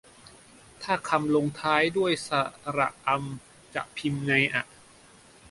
ถ้าคำลงท้ายด้วย สระอำ จะพิมพ์ไงอะ